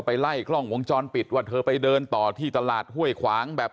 ไล่กล้องวงจรปิดว่าเธอไปเดินต่อที่ตลาดห้วยขวางแบบ